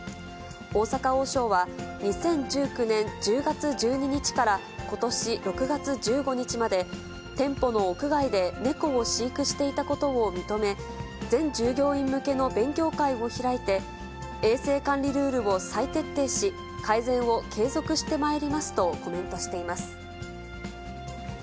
大阪王将は、２０１９年１０月１２日からことし６月１５日まで、店舗の屋外で猫を飼育していたことを認め、全従業員向けの勉強会を開いて、衛生管理ルールを再徹底し、改善を継続してまいりますとコメントしています。